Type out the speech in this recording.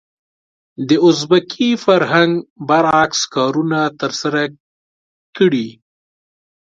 د اربکي فرهنګ برعکس کارونه ترسره کړي.